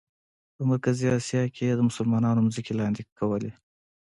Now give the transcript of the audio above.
په مرکزي آسیا کې یې د مسلمانانو ځمکې لاندې کولې.